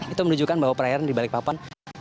itu menunjukkan bahwa perairan di balikpapan